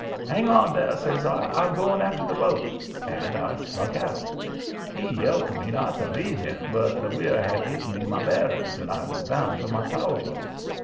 "'Hang on there!' says I. 'I'm going after the boat.' And I struck out. He yelled to me not to leave him, but the weir had give me my bearings, and I was bound for my power boat.